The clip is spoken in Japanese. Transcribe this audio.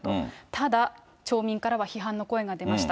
ただ、町民からは批判の声が出ました。